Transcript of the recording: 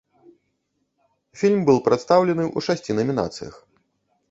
Фільм быў прадстаўлены ў шасці намінацыях.